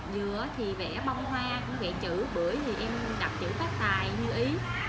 dừa thì vẽ bông hoa vẽ chữ bưởi thì em đặt chữ pháp tài như ý